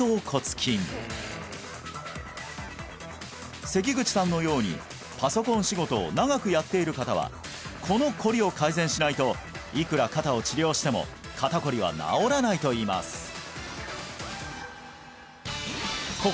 橈骨筋セキグチさんのようにパソコン仕事を長くやっている方はこのこりを改善しないといくら肩を治療しても肩こりは治らないといいます